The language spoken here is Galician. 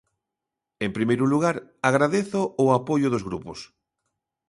En primeiro lugar, agradezo o apoio dos grupos.